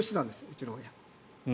うちの親。